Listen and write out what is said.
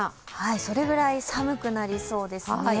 それぐらい寒くなりそうですね。